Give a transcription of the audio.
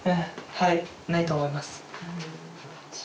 はいないと思います